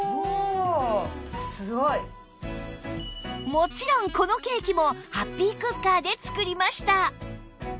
もちろんこのケーキもハッピークッカーで作りました